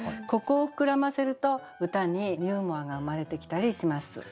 ここを膨らませると歌にユーモアが生まれてきたりします。